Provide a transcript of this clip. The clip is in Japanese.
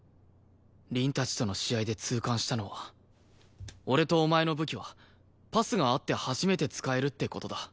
凛たちとの試合で痛感したのは俺とお前の武器はパスがあって初めて使えるって事だ。